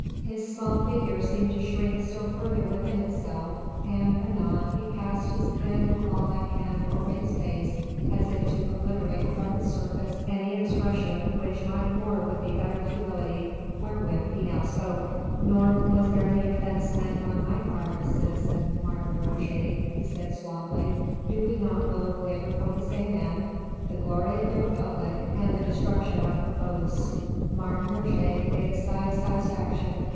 His small figure seemed to shrink still further within itself: and anon he passed his thin, claw like hand over his face as if to obliterate from its surface any expression which might war with the utter humility wherewith he now spoke. "Nor was there any offence meant on my part, citizen Martin Roget," he said suavely. "Do we not both labour for the same end? The glory of the Republic and the destruction of her foes?" Martin Roget gave a sigh of satisfaction.